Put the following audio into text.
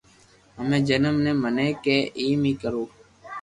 ھمي جيم تو مني ڪي ايم اي ڪرو